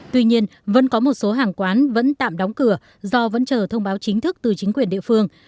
tuy nhiên vẫn có một số hàng quán vẫn tạm đóng cửa do vẫn chờ thông báo chính thức từ chính quyền địa phương